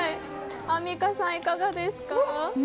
アンミカさん、いかがですか？